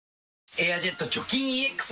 「エアジェット除菌ＥＸ」